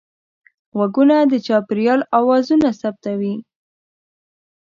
غوږونه د چاپېریال اوازونه ثبتوي